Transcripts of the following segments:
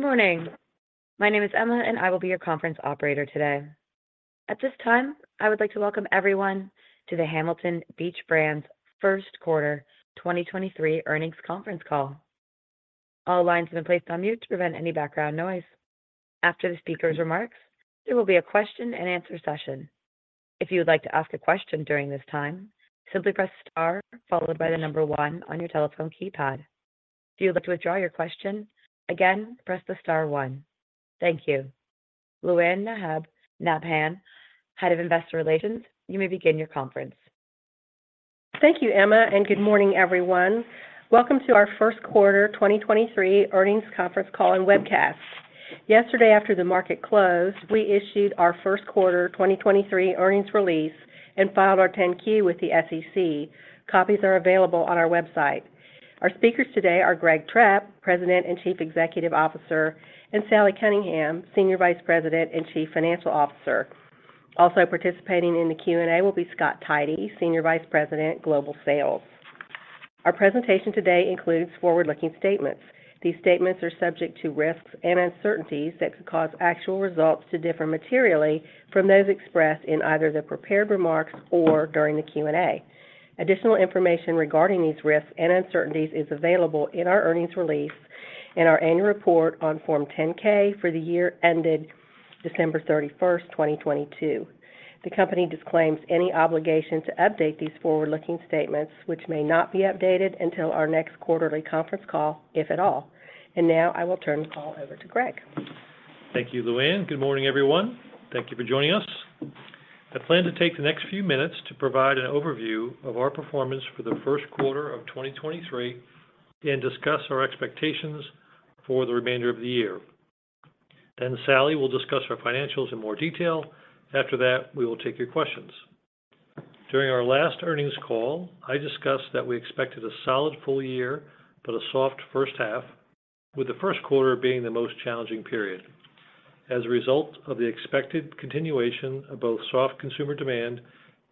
Good morning. My name is Emma. I will be your conference operator today. At this time, I would like to welcome everyone to the Hamilton Beach Brands first quarter 2023 earnings conference call. All lines have been placed on mute to prevent any background noise. After the speaker's remarks, there will be a question-and-answer session. If you would like to ask a question during this time, simply press star followed by the number one on your telephone keypad. If you'd like to withdraw your question, again, press the star one. Thank Louann Nabhan, Head of Investor Relations, you may begin your conference. Thank you, Emma, and good morning, everyone. Welcome to our first quarter 2023 earnings conference call and webcast. Yesterday, after the market closed, we issued our first quarter 2023 earnings release and filed our 10-Q with the SEC. Copies are available on our website. Our speakers today are Gregory Trepp, President and Chief Executive Officer, and Sally Cunningham, Senior Vice President and Chief Financial Officer. Also participating in the Q&A will be Scott Tidey, Senior Vice President, Global Sales. Our presentation today includes forward-looking statements. These statements are subject to risks and uncertainties that could cause actual results to differ materially from those expressed in either the prepared remarks or during the Q&A. Additional information regarding these risks and uncertainties is available in our earnings release and our annual report on Form 10-K for the year ended December 31st, 2022. The company disclaims any obligation to update these forward-looking statements, which may not be updated until our next quarterly conference call, if at all. Now I will turn the call over to Greg. Thank Louann. good morning, everyone. Thank you for joining us. I plan to take the next few minutes to provide an overview of our performance for the first quarter of 2023 and discuss our expectations for the remainder of the year. Sally will discuss our financials in more detail. After that, we will take your questions. During our last earnings call, I discussed that we expected a solid full year but a soft first half, with the first quarter being the most challenging period. As a result of the expected continuation of both soft consumer demand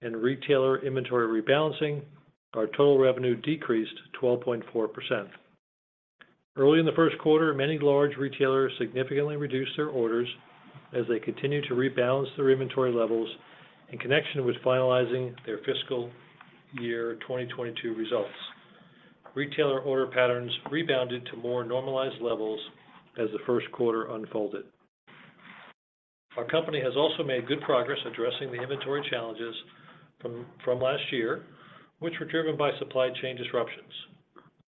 and retailer inventory rebalancing, our total revenue decreased 12.4%. Early in the first quarter, many large retailers significantly reduced their orders as they continued to rebalance their inventory levels in connection with finalizing their fiscal year 2022 results. Retailer order patterns rebounded to more normalized levels as the first quarter unfolded. Our company has also made good progress addressing the inventory challenges from last year, which were driven by supply chain disruptions.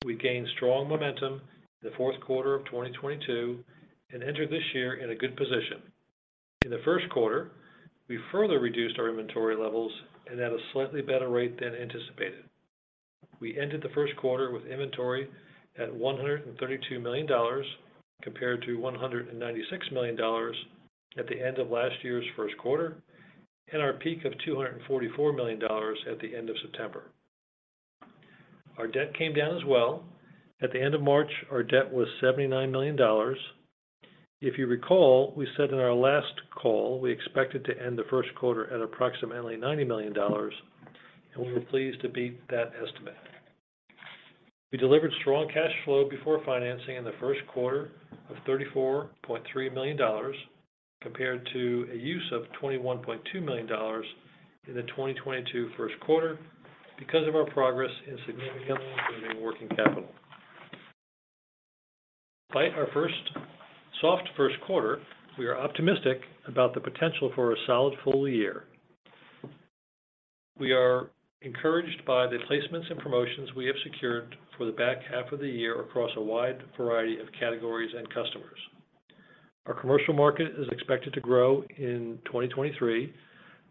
We gained strong momentum in the fourth quarter of 2022 and entered this year in a good position. In the first quarter, we further reduced our inventory levels and at a slightly better rate than anticipated. We ended the first quarter with inventory at $132 million, compared to $196 million at the end of last year's first quarter, and our peak of $244 million at the end of September. Our debt came down as well. At the end of March, our debt was $79 million. If you recall, we said in our last call we expected to end the first quarter at approximately $90 million, and we were pleased to beat that estimate. We delivered strong cash flow before financing in the first quarter of $34.3 million, compared to a use of $21.2 million in the 2022 first quarter because of our progress in significantly improving working capital. Despite our soft first quarter, we are optimistic about the potential for a solid full year. We are encouraged by the placements and promotions we have secured for the back half of the year across a wide variety of categories and customers. Our commercial market is expected to grow in 2023,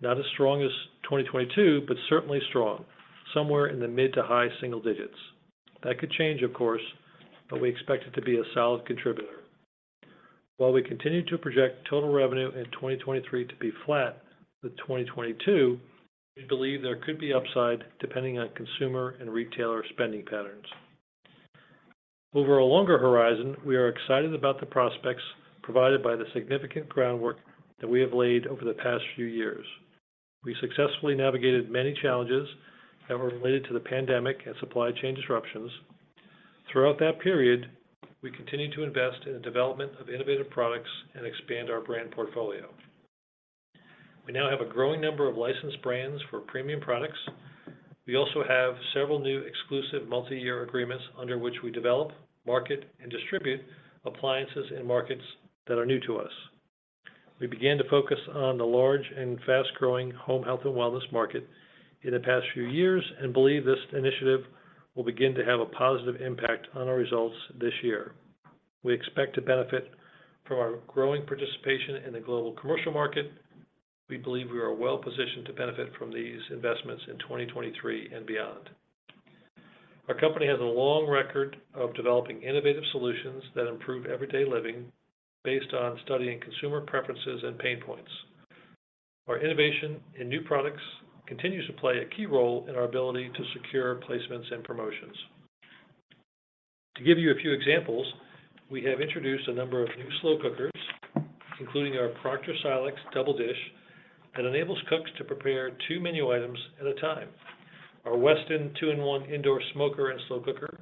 not as strong as 2022, but certainly strong, somewhere in the mid to high single digits. That could change, of course, we expect it to be a solid contributor. While we continue to project total revenue in 2023 to be flat to 2022, we believe there could be upside depending on consumer and retailer spending patterns. Over a longer horizon, we are excited about the prospects provided by the significant groundwork that we have laid over the past few years. We successfully navigated many challenges that were related to the pandemic and supply chain disruptions. Throughout that period, we continued to invest in the development of innovative products and expand our brand portfolio. We now have a growing number of licensed brands for premium products. We also have several new exclusive multi-year agreements under which we develop, market, and distribute appliances in markets that are new to us. We began to focus on the large and fast-growing home health and wellness market in the past few years and believe this initiative will begin to have a positive impact on our results this year. We expect to benefit from our growing participation in the global commercial market. We believe we are well positioned to benefit from these investments in 2023 and beyond. Our company has a long record of developing innovative solutions that improve everyday living based on studying consumer preferences and pain points. Our innovation in new products continues to play a key role in our ability to secure placements and promotions. To give you a few examples, we have introduced a number of new slow cookers, including our Proctor Silex Double-Dish that enables cooks to prepare two menu items at a time. Our Weston two-in-one indoor smoker and slow cooker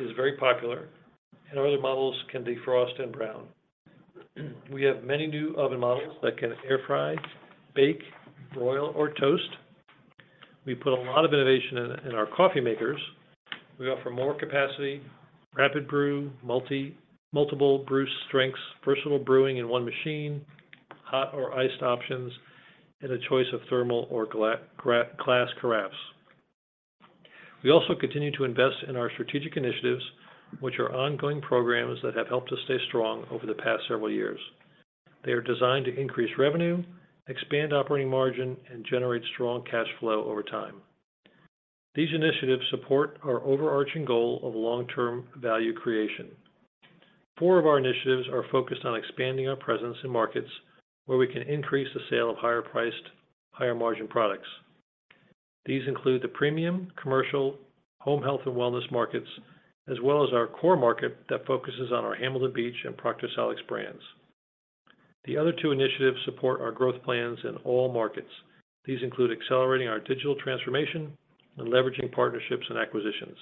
is very popular. Other models can defrost and brown. We have many new oven models that can air fry, bake, broil, or toast. We put a lot of innovation in our coffee makers. We offer more capacity, rapid brew, multiple brew strengths, versatile brewing in one machine, hot or iced options, and a choice of thermal or glass carafes. We also continue to invest in our strategic initiatives, which are ongoing programs that have helped us stay strong over the past several years. They are designed to increase revenue, expand operating margin, and generate strong cash flow over time. These initiatives support our overarching goal of long-term value creation. Four of our initiatives are focused on expanding our presence in markets where we can increase the sale of higher-priced, higher-margin products. These include the premium, commercial, home health and wellness markets, as well as our core market that focuses on our Hamilton Beach and Proctor Silex brands. The other two initiatives support our growth plans in all markets. These include accelerating our digital transformation and leveraging partnerships and acquisitions.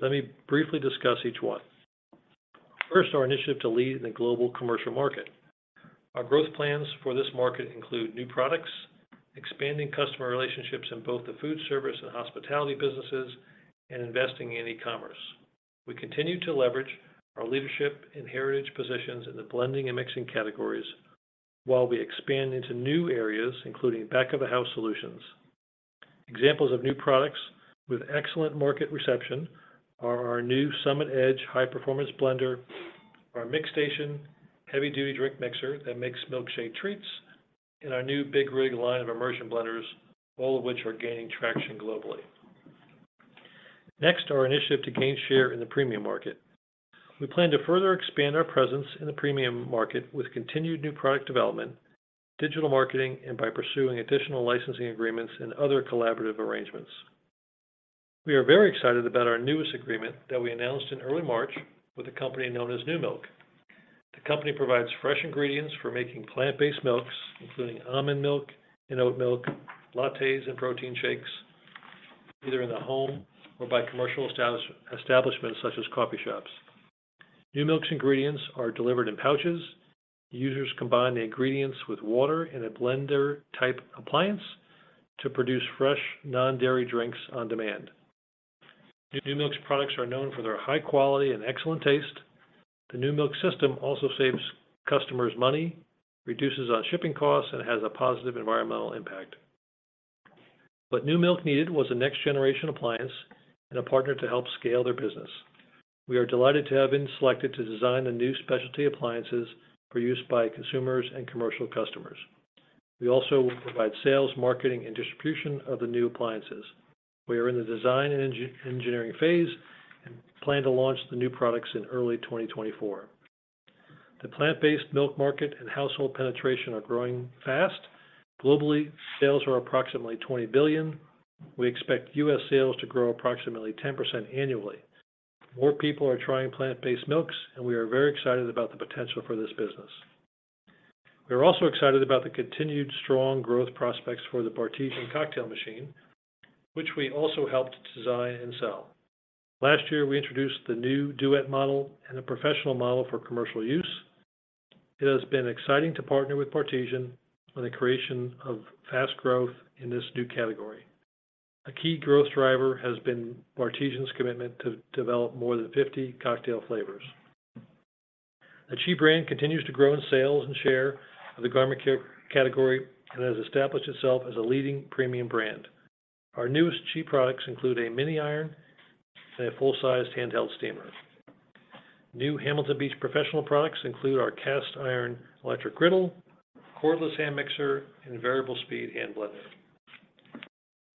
Let me briefly discuss each one. First, our initiative to lead in the global commercial market. Our growth plans for this market include new products, expanding customer relationships in both the food service and hospitality businesses, and investing in e-commerce. We continue to leverage our leadership and heritage positions in the blending and mixing categories while we expand into new areas, including back of the house solutions. Examples of new products with excellent market reception are our new Summit Edge high-performance blender, our MixStation heavy-duty drink mixer that makes milkshake treats, and our new BigRig line of immersion blenders, all of which are gaining traction globally. Our initiative to gain share in the premium market. We plan to further expand our presence in the premium market with continued new product development, digital marketing, and by pursuing additional licensing agreements and other collaborative arrangements. We are very excited about our newest agreement that we announced in early March with a company known as Numilk. The company provides fresh ingredients for making plant-based milks, including almond milk and oat milk, lattes, and protein shakes, either in the home or by commercial establishments such as coffee shops. Numilk's ingredients are delivered in pouches. Users combine the ingredients with water in a blender-type appliance to produce fresh non-dairy drinks on demand. Numilk's products are known for their high quality and excellent taste. The Numilk system also saves customers money, reduces on shipping costs, and has a positive environmental impact. What Numilk needed was a next generation appliance and a partner to help scale their business. We are delighted to have been selected to design the new specialty appliances for use by consumers and commercial customers. We will provide sales, marketing, and distribution of the new appliances. We are in the design and engineering phase and plan to launch the new products in early 2024. The plant-based milk market and household penetration are growing fast. Globally, sales are approximately $20 billion. We expect U.S. sales to grow approximately 10% annually. More people are trying plant-based milks. We are very excited about the potential for this business. We are also excited about the continued strong growth prospects for the Bartesian Cocktail Machine, which we also helped to design and sell. Last year, we introduced the new Duet model and a professional model for commercial use. It has been exciting to partner with Bartesian on the creation of fast growth in this new category. A key growth driver has been Bartesian's commitment to develop more than 50 cocktail flavors. The CHI brand continues to grow in sales and share of the garment care category and has established itself as a leading premium brand. Our newest CHI products include a mini iron and a full-sized handheld steamer. New Hamilton Beach Professional products include our cast iron electric griddle, cordless hand mixer, and variable speed hand blender.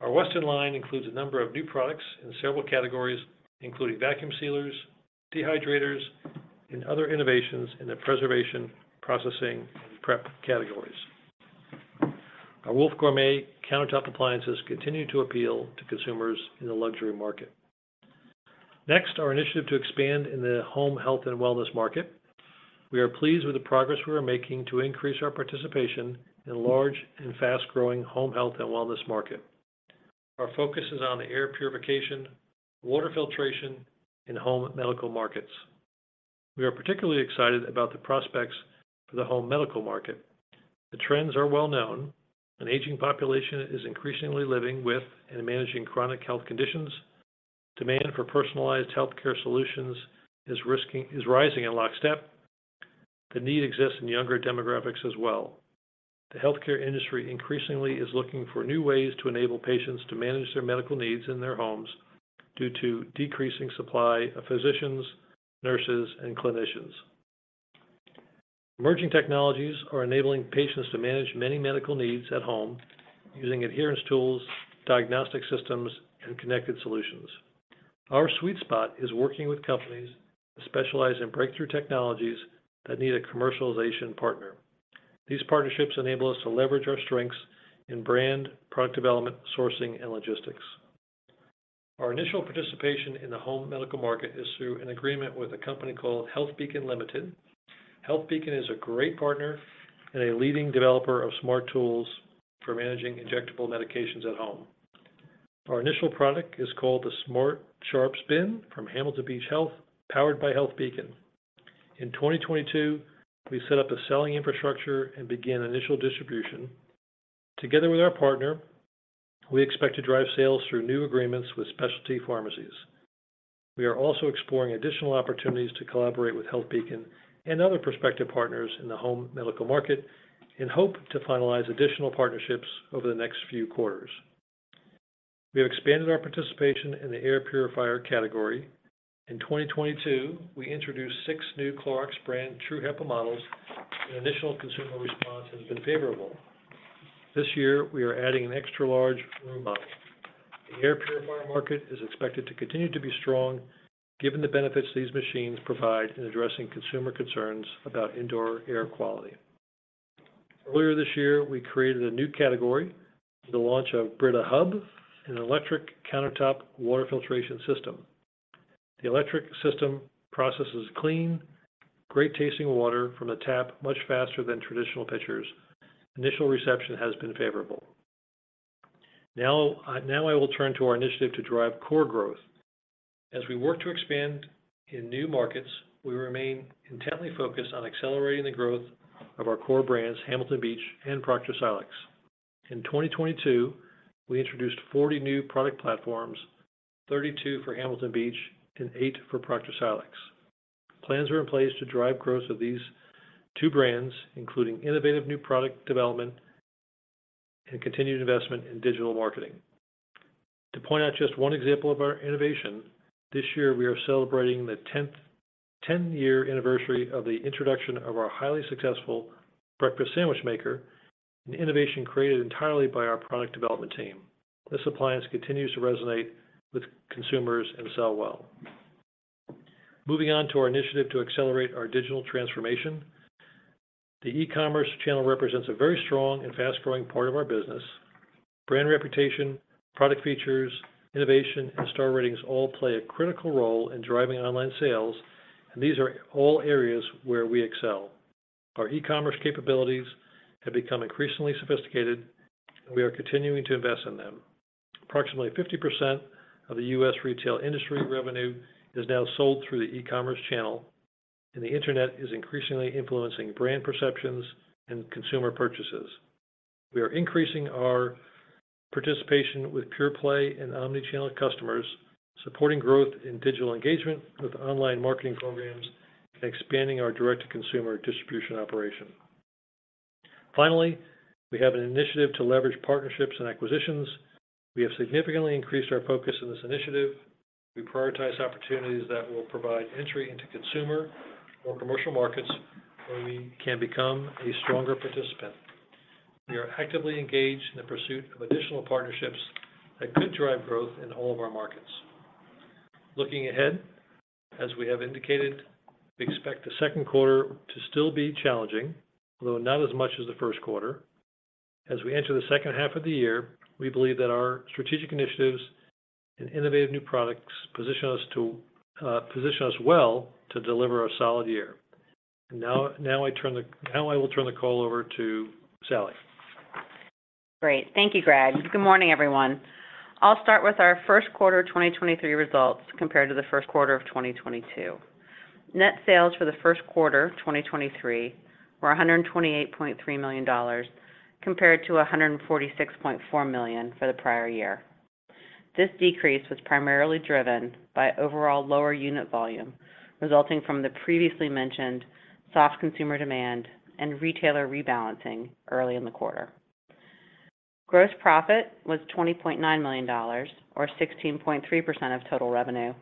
Our Weston includes a number of new products in several categories, including vacuum sealers, dehydrators, and other innovations in the preservation, processing, and prep categories. Our Wolf Gourmet countertop appliances continue to appeal to consumers in the luxury market. Our initiative to expand in the home health and wellness market. We are pleased with the progress we are making to increase our participation in large and fast-growing home health and wellness market. Our focus is on the air purification, water filtration, and home medical markets. We are particularly excited about the prospects for the home medical market. The trends are well known. An aging population is increasingly living with and managing chronic health conditions. Demand for personalized healthcare solutions is rising in lockstep. The need exists in younger demographics as well. The healthcare industry increasingly is looking for new ways to enable patients to manage their medical needs in their homes due to decreasing supply of physicians, nurses, and clinicians. Emerging technologies are enabling patients to manage many medical needs at home using adherence tools, diagnostic systems, and connected solutions. Our sweet spot is working with companies that specialize in breakthrough technologies that need a commercialization partner. These partnerships enable us to leverage our strengths in brand, product development, sourcing, and logistics. Our initial participation in the home medical market is through an agreement with a company called HealthBeacon Limited. HealthBeacon is a great partner and a leading developer of smart tools for managing injectable medications at home. Our initial product is called the Smart Sharps Bin from Hamilton Beach Health, powered by HealthBeacon. In 2022, we set up a selling infrastructure and began initial distribution. Together with our partner, we expect to drive sales through new agreements with specialty pharmacies. We are also exploring additional opportunities to collaborate with HealthBeacon and other prospective partners in the home medical market and hope to finalize additional partnerships over the next few quarters. We have expanded our participation in the air purifier category. In 2022, we introduced six new Clorox brand True HEPA models, and initial consumer response has been favorable. This year, we are adding an extra-large room model. The air purifier market is expected to continue to be strong given the benefits these machines provide in addressing consumer concerns about indoor air quality. Earlier this year, we created a new category with the launch of Brita Hub, an electric countertop water filtration system. The electric system processes clean, great-tasting water from the tap much faster than traditional pitchers. Initial reception has been favorable. Now I will turn to our initiative to drive core growth. As we work to expand in new markets, we remain intently focused on accelerating the growth of our core brands, Hamilton Beach and Proctor Silex. In 2022, we introduced 40 new product platforms, 32 for Hamilton Beach and eight for Proctor Silex. Plans are in place to drive growth of these two brands, including innovative new product development and continued investment in digital marketing. To point out just one example of our innovation, this year we are celebrating the 10-year anniversary of the introduction of our highly successful Breakfast Sandwich Maker, an innovation created entirely by our product development team. This appliance continues to resonate with consumers and sell well. Moving on to our initiative to accelerate our digital transformation, the e-commerce channel represents a very strong and fast-growing part of our business. Brand reputation, product features, innovation, and star ratings all play a critical role in driving online sales, and these are all areas where we excel. Our e-commerce capabilities have become increasingly sophisticated, and we are continuing to invest in them. Approximately 50% of the U.S. retail industry revenue is now sold through the e-commerce channel, and the internet is increasingly influencing brand perceptions and consumer purchases. We are increasing our participation with pure-play and omni-channel customers, supporting growth in digital engagement with online marketing programs and expanding our direct-to-consumer distribution operation. Finally, we have an initiative to leverage partnerships and acquisitions. We have significantly increased our focus on this initiative. We prioritize opportunities that will provide entry into consumer or commercial markets where we can become a stronger participant. We are actively engaged in the pursuit of additional partnerships that could drive growth in all of our markets. Looking ahead, as we have indicated, we expect the second quarter to still be challenging, although not as much as the first quarter. As we enter the second half of the year, we believe that our strategic initiatives and innovative new products position us to position us well to deliver a solid year. Now I will turn the call over to Sally. Great. Thank you, Greg. Good morning, everyone. I'll start with our first quarter 2023 results compared to the first quarter of 2022. Net sales for the first quarter 2023 were $128.3 million compared to $146.4 million for the prior year. This decrease was primarily driven by overall lower unit volume resulting from the previously mentioned soft consumer demand and retailer rebalancing early in the quarter. Gross profit was $20.9 million or 16.3% of total revenue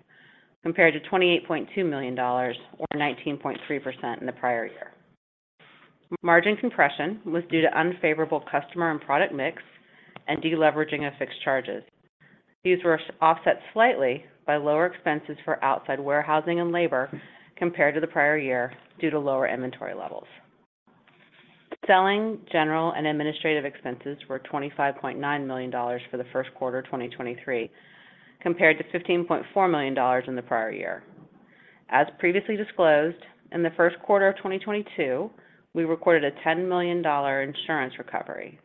compared to $28.2 million or 19.3% in the prior year. Margin compression was due to unfavorable customer and product mix and deleveraging of fixed charges. These were offset slightly by lower expenses for outside warehousing and labor compared to the prior year due to lower inventory levels. Selling, general, and administrative expenses were $25.9 million for the first quarter 2023 compared to $15.4 million in the prior year. As previously disclosed, in the first quarter of 2022, we recorded a $10 million insurance recovery.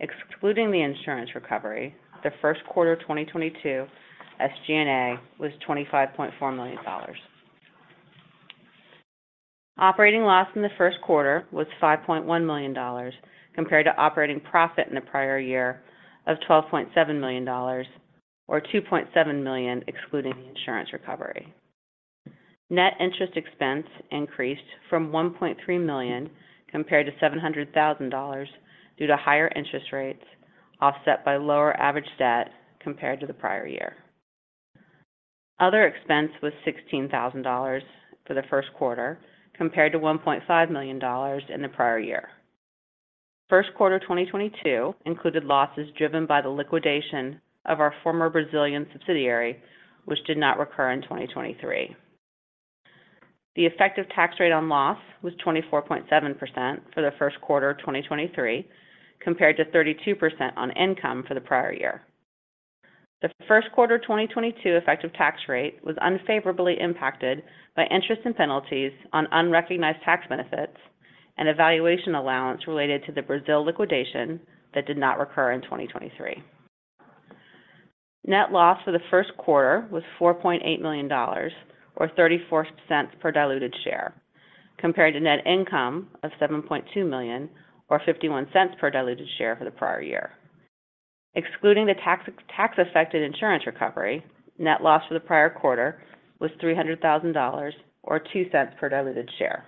Excluding the insurance recovery, the first quarter 2022 SG&A was $25.4 million. Operating loss in the first quarter was $5.1 million compared to operating profit in the prior year of $12.7 million or $2.7 million excluding the insurance recovery. Net interest expense increased from $1.3 million compared to $700,000 due to higher interest rates offset by lower average debt compared to the prior year. Other expense was $16,000 for the first quarter compared to $1.5 million in the prior year. First quarter 2022 included losses driven by the liquidation of our former Brazilian subsidiary, which did not recur in 2023. The effective tax rate on loss was 24.7% for the first quarter of 2023, compared to 32% on income for the prior year. The first quarter of 2022 effective tax rate was unfavorably impacted by interest and penalties on unrecognized tax benefits and a valuation allowance related to the Brazil liquidation that did not recur in 2023. Net loss for the first quarter was $4.8 million, or $0.34 per diluted share, compared to net income of $7.2 million, or $0.51 per diluted share for the prior year. Excluding the tax-affected insurance recovery, net loss for the prior quarter was $300,000, or $0.02 per diluted share.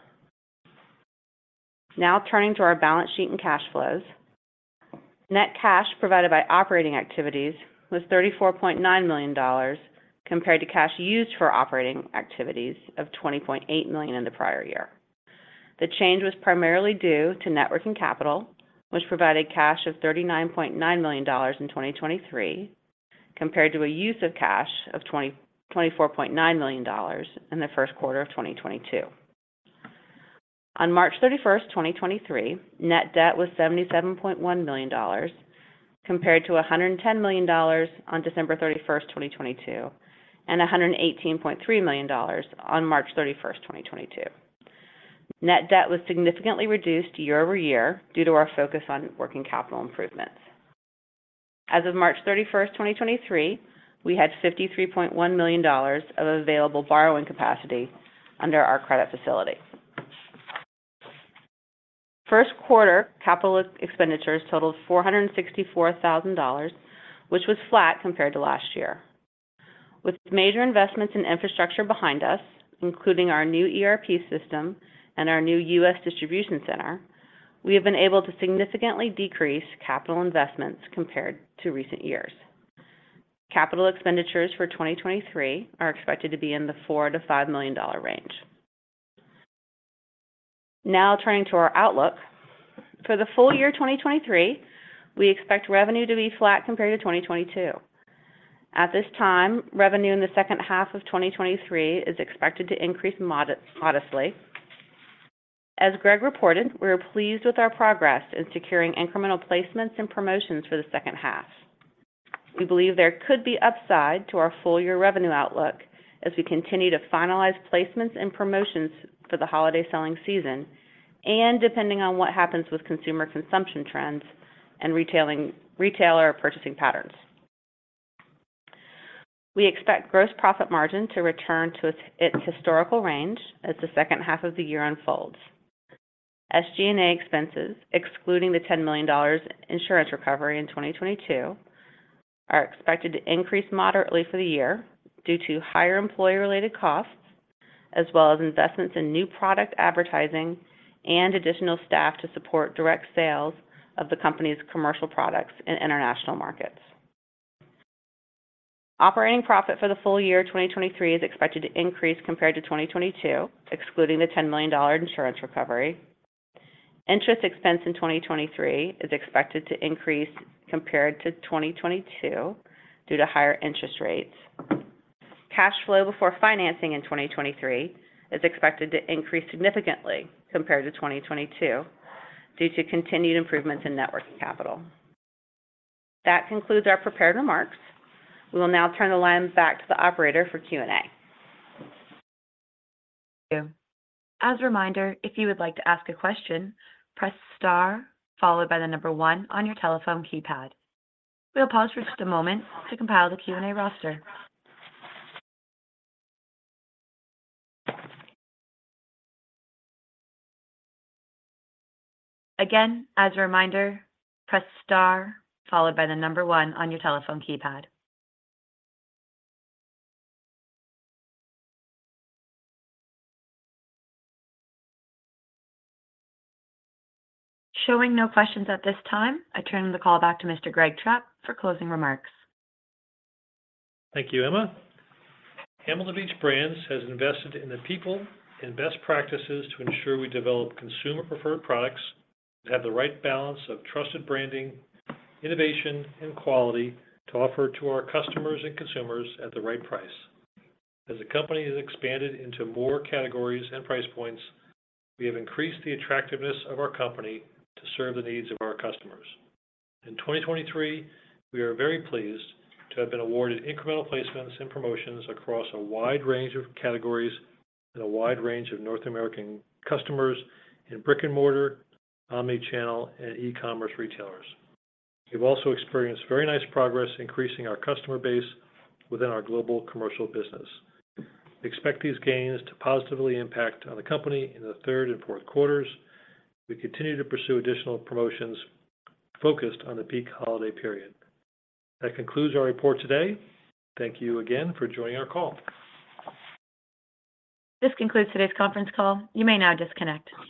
Now turning to our balance sheet and cash flows. Net cash provided by operating activities was $34.9 million, compared to cash used for operating activities of $20.8 million in the prior year. The change was primarily due to net working capital, which provided cash of $39.9 million in 2023, compared to a use of cash of $24.9 million in the first quarter of 2022. On March 31st, 2023, net debt was $77.1 million compared to $110 million on December 31stst, 2022, and $118.3 million on March 31st, 2022. Net debt was significantly reduced year-over-year due to our focus on working capital improvements. As of March 31st, 2023, we had $53.1 million of available borrowing capacity under our credit facility. First quarter capital expenditures totaled $464,000, which was flat compared to last year. With major investments in infrastructure behind us, including our new ERP system and our new U.S. distribution center, we have been able to significantly decrease capital investments compared to recent years. Capital expenditures for 2023 are expected to be in the $4 million-$5 million range. Turning to our outlook. For the full year of 2023, we expect revenue to be flat compared to 2022. At this time, revenue in the second half of 2023 is expected to increase modestly. As Greg reported, we are pleased with our progress in securing incremental placements and promotions for the second half. We believe there could be upside to our full-year revenue outlook as we continue to finalize placements and promotions for the holiday selling season. Depending on what happens with consumer consumption trends and retailer purchasing patterns. We expect gross profit margin to return to its historical range as the second half of the year unfolds. SG&A expenses, excluding the $10 million insurance recovery in 2022, are expected to increase moderately for the year due to higher employee-related costs, as well as investments in new product advertising and additional staff to support direct sales of the company's commercial products in international markets. Operating profit for the full year of 2023 is expected to increase compared to 2022, excluding the $10 million insurance recovery. Interest expense in 2023 is expected to increase compared to 2022 due to higher interest rates. Cash flow before financing in 2023 is expected to increase significantly compared to 2022 due to continued improvements in net working capital. That concludes our prepared remarks. We will now turn the line back to the operator for Q&A. As a reminder, if you would like to ask a question, press star followed by the number one on your telephone keypad. We'll pause for just a moment to compile the Q&A roster. Again, as a reminder, press star followed by the number one on your telephone keypad. Showing no questions at this time, I turn the call back to Mr. Greg Trepp for closing remarks. Thank you, Emma. Hamilton Beach Brands has invested in the people and best practices to ensure we develop consumer-preferred products that have the right balance of trusted branding, innovation, and quality to offer to our customers and consumers at the right price. As the company has expanded into more categories and price points, we have increased the attractiveness of our company to serve the needs of our customers. In 2023, we are very pleased to have been awarded incremental placements and promotions across a wide range of categories and a wide range of North American customers in brick and mortar, omnichannel, and e-commerce retailers. We've also experienced very nice progress increasing our customer base within our global commercial business. We expect these gains to positively impact on the company in the third and fourth quarters. We continue to pursue additional promotions focused on the peak holiday period. That concludes our report today. Thank you again for joining our call. This concludes today's conference call. You may now disconnect.